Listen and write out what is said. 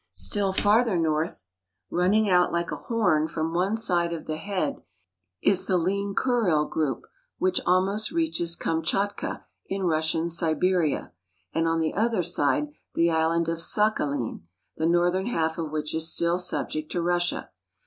Still farther north, running out like a horn from one side of the head, is the lean Kuril group which almost reaches Kamchatka in Russian Siberia, and on the other side the island of Sakhalin (sa ka lyen'), the northern half of which is still subject to Russia.